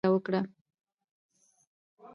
سبا سهار مو بېرته کابل ته د تګ پرېکړه وکړه